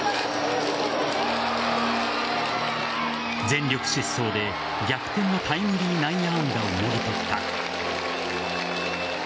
全力疾走で逆転のタイムリー内野安打をもぎ取った。